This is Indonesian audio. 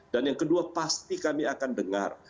yang kedua pasti kami akan dengar